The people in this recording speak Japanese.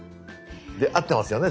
で合ってますよね？